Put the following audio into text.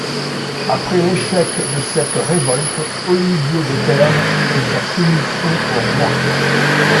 Après l’échec de cette révolte Olivier de Termes fait sa soumission au roi.